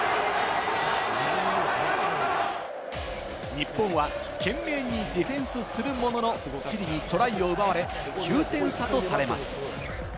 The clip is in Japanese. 日本は懸命にディフェンスするものの、チリにトライを奪われ、９点差とされます。